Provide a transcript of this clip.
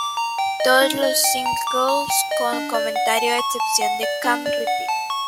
Todos los singles con comentarios a excepción de "Can't Repeat".